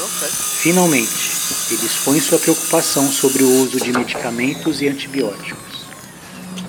Finalmente, ele expõe sua preocupação sobre o uso de medicamentos e antibióticos.